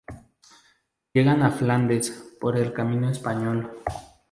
Llegan a Flandes por "el camino español".